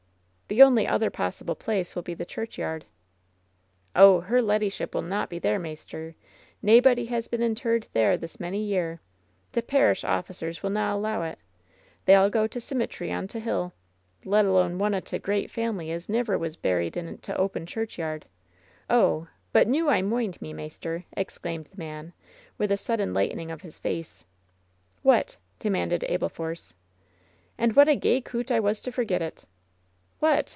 "The only other possible place will be the church yard." "Oh, her leddyship will not be there, maister! Na body has been interred there this many a year. T' par ish officers will na' allow it I They all go to t' simitry on t' hill. Let alone one o' t' great family as never was buried in t' open churchyard ! Oh ! But noo I moind me, maister !" exclaimed the man, with a sudden light ening of his face. "What?" demanded Abel Force "And what a gey coote I was to forget it !" "What